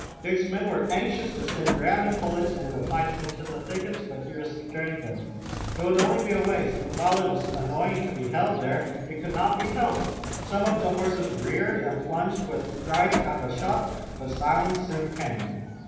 Dick's men were anxious to send random bullets in reply into the thickets, but he restrained them. It would be only a waste, and while it was annoying to be held there, it could not be helped. Some of the horses reared and plunged with fright at the shots, but silence soon came.